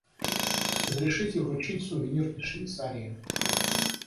Разрешите вручить сувенир из Швейцарии.